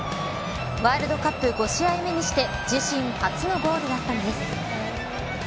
ワールドカップ５試合目にして自身初のゴールだったのです。